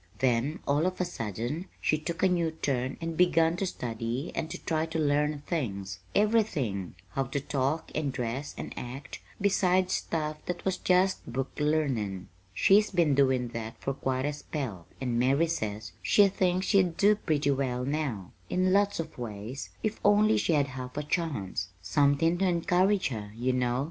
"Then, all of a sudden, she took a new turn and begun to study and to try to learn things everything: how to talk and dress and act, besides stuff that was just book learnin'. She's been doin' that for quite a spell and Mary says she thinks she'd do pretty well now, in lots of ways, if only she had half a chance somethin' to encourage her, you know.